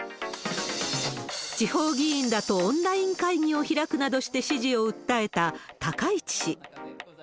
地方議員らとオンライン会議を開くなどして支持を訴えた高市氏。